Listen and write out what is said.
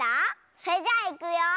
それじゃあいくよ。